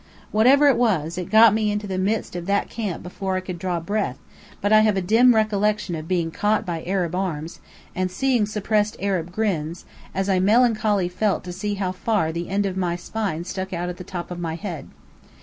Whatever it was, it got me into the midst of camp before I could draw breath; but I have a dim recollection of being caught by Arab arms, and seeing suppressed Arab grins, as mechanically I felt to see how far the end of my spine stuck out at the top of my head.